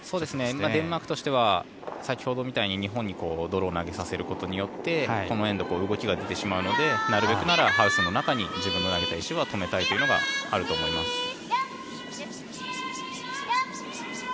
デンマークとしては先ほどみたいに日本のドローを投げさせることによってこのエンド動きが出てしまうのでなるべくならハウスの中に自分の投げた石は止めたいというのがあると思います。